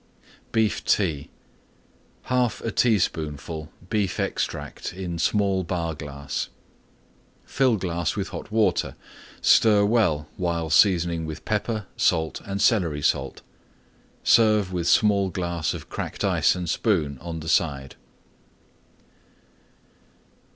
BEEF TEA 1/2 teaspoonful Beef Extract in small Bar glass. Fill glass with Hot Water. Stir well while seasoning with Pepper, Salt and Celery Salt. Serve with small glass of Cracked Ice and spoon on the side.